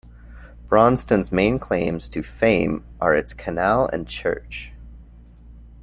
Braunston's main claims to fame are its canal and church.